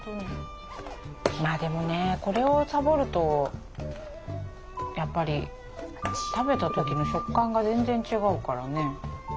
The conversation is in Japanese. まあでもねこれをサボるとやっぱり食べた時の食感が全然違うからね